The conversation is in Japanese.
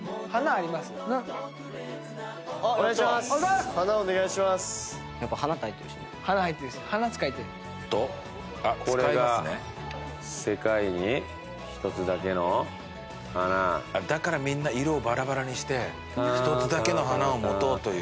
あっだからみんな色をバラバラにして一つだけの花を持とうという。